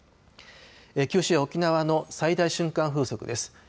九州や沖縄の最大瞬間風速です。